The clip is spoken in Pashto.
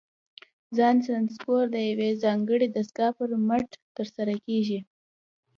ځان سانسور د یوې ځانګړې دستګاه پر مټ ترسره کېږي.